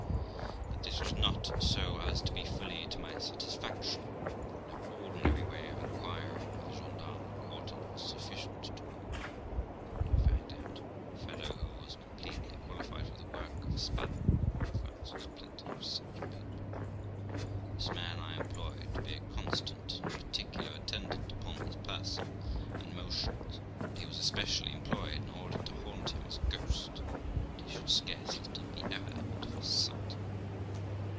But this was not so as to be fully to my satisfaction; no ordinary way of inquiring where the gens d'armes were quartered was sufficient to me; but I found out a fellow who was completely qualified for the work of a spy (for France has plenty of such people). This man I employed to be a constant and particular attendant upon his person and motions; and he was especially employed and ordered to haunt him as a ghost, that he should scarce let him be ever out of his sight.